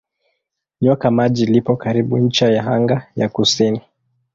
Nyoka Maji lipo karibu ncha ya anga ya kusini.